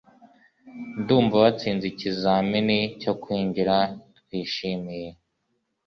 Ndumva watsinze ikizamini cyo kwinjira Twishimiye!